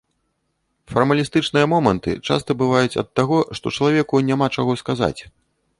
Фармалістычныя моманты часта бываюць ад таго, што чалавеку няма чаго сказаць.